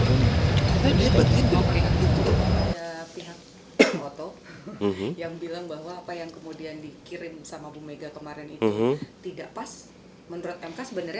bagaimana bapak ibu mega kirimkan